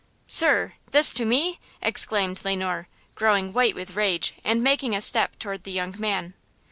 "Sir! this to me!" exclaimed Le Noir, growing white with rage and making a step toward the young man.